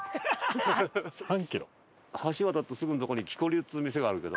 橋を渡ったすぐのとこにきこりっつう店があるけど。